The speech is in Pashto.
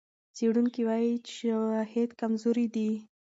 څېړونکي وايي چې شواهد کمزوري دي.